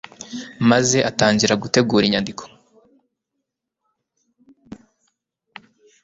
maze atangira gutegura inyandiko